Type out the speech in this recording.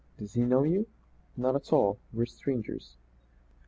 Does he know you?" "Not at all. We are strangers."